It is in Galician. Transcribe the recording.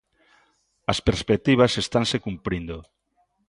As perspectivas estanse cumprindo.